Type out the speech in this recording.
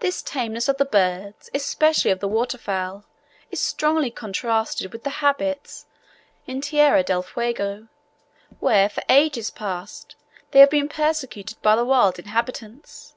This tameness of the birds, especially of the water fowl, is strongly contrasted with the habits of the same species in Tierra del Fuego, where for ages past they have been persecuted by the wild inhabitants.